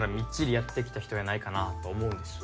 やってきた人やないかなと思うんです